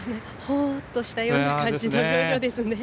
ほっとしたような感じの表情ですね。